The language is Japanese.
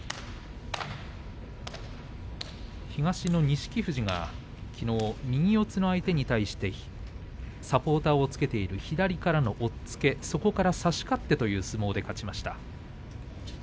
錦富士が、きのう右四つの相手に対してサポーターをつけている左からの押っつけ、そこから差して勝っての相撲で勝っています。